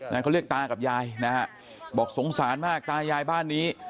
เขาเรียกตากับยายนะฮะบอกสงสารมากตายายบ้านนี้